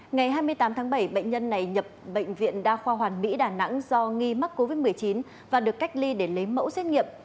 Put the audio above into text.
ngày hai mươi tám tháng bảy bệnh nhân này nhập bệnh viện đa khoa hoàn mỹ đà nẵng do nghi mắc covid một mươi chín và được cách ly để lấy mẫu xét nghiệm